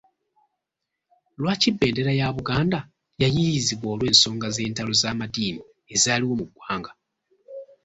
Lwaki bendera ya Buganda yayiiyizibwa olw’ensonga z’entalo z’amadiini ezaaliwo mu ggwanga?